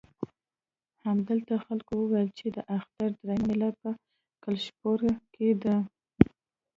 همدلته خلکو وویل چې د اختر درېیمه مېله په کلشپوره کې ده.